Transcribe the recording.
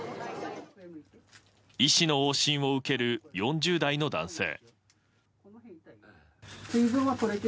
医師の往診を受ける４０代の男性。